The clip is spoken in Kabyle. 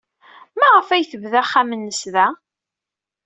Maɣef ay tebda axxam-nnes da?